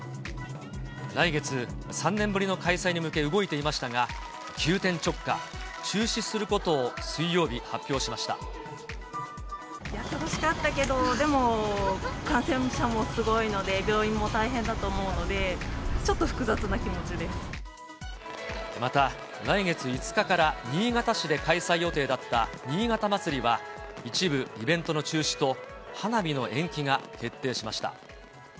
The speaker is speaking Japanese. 来月、３年ぶりの開催に向け、動いていましたが、急転直下、中止するこやってほしかったけど、でも、感染者もすごいので、病院も大変だと思うので、ちょっまた、来月５日から新潟市で開催予定だった新潟まつりは、一部イベントの中止と、花火の延期が決定しました。